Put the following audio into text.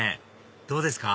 どうですか？